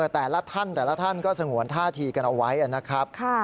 แต่ละท่านแสงหวนท่าทีกันเอาไว้นะครับ